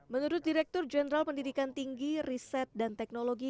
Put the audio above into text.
menurut direktur jenderal pendidikan tinggi riset dan teknologi